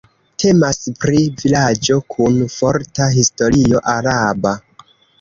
Temas pri vilaĝo kun forta historio araba.